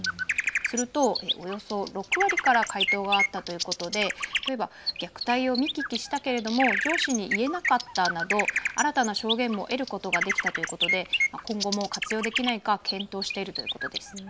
するとおよそ６割から回答があったということで虐待を見聞きしたけれども上司に言えなかったなど新たな証言も得ることができたということで今後も活用できないか検討しているということです。